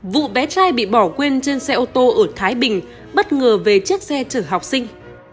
vụ bé trai bị bỏ quên trên xe ô tô ở thái bình bất ngờ về chiếc xe chở học sinh